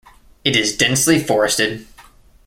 It is densely forested.